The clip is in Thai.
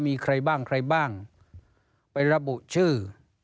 มีใครบ้างใครบ้างไประบุชื่อ